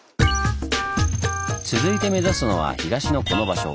続いて目指すのは東のこの場所。